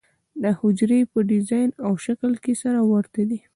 دا حجرې په ډیزاین او شکل کې سره ورته دي.